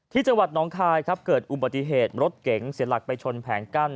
ที่จังหวัดน้องคายครับเกิดอุบัติเหตุรถเก๋งเสียหลักไปชนแผงกั้น